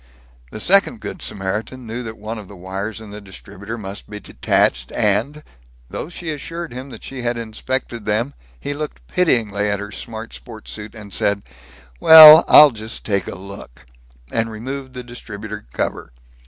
The second Good Samaritan knew that one of the wires in the distributor must be detached and, though she assured him that she had inspected them, he looked pityingly at her smart sports suit, said, "Well, I'll just take a look," and removed the distributor cover.